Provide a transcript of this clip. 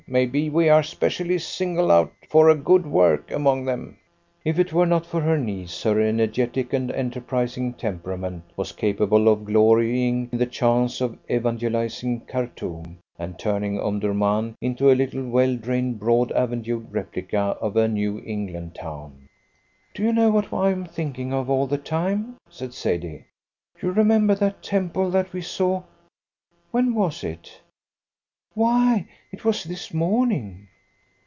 "Maybe we are specially singled out for a good work among them." If it were not for her niece her energetic and enterprising temperament was capable of glorying in the chance of evangelising Khartoum, and turning Omdurman into a little well drained broad avenued replica of a New England town. "Do you know what I am thinking of all the time?" said Sadie. "You remember that temple that we saw when was it? Why, it was this morning."